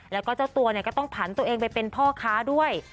แล้วก็เจ้าตัวก็ต้องผันตัวเองไปเป็นพ่อค้าด้วย